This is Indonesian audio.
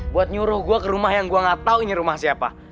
buat nyuruh gue ke rumah yang gue gak tau ini rumah siapa